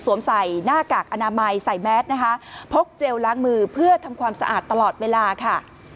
ใส่หน้ากากอนามัยใส่แมสนะคะพกเจลล้างมือเพื่อทำความสะอาดตลอดเวลาค่ะ